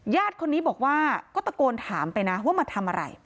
ญาติคนนี้บอกว่าก็ตะโกนถามไปนะว่ามาทำอะไร